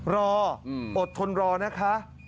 รออดทนรอนะคะ